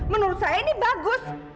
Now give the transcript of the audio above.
menurut saya ini bagus